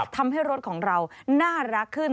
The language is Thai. ทำให้รถของเราน่ารักขึ้น